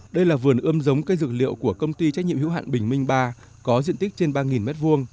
đây là vườn ươm giống cây dược liệu của công ty trách nhiệm hữu hạn bình minh ba có diện tích trên ba m hai